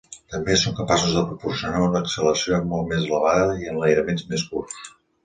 També són capaços de proporcionar una acceleració molt més elevada i enlairaments més curts.